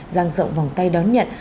ràng rộng vòng tay đón nhận